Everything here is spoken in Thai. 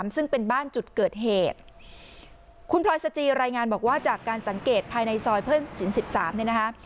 ซึ่งเป็นบ้านจุดเกิดเหตุคุณพลอยสจีรายงานบอกว่าจากการสังเกตภายในซอยเพิ่มสิน๑๓เนี่ยนะคะ